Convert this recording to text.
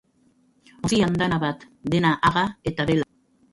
Ontzi andana bat, dena haga eta bela.